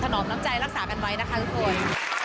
นอมน้ำใจรักษากันไว้นะคะทุกคน